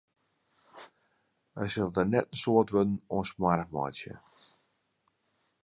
Wy sille der net in soad wurden oan smoarch meitsje.